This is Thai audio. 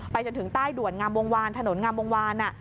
จนถึงใต้ด่วนงามวงวานถนนงามวงวาน